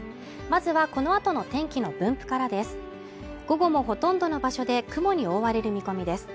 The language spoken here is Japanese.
まずはこのあとの天気の分布からです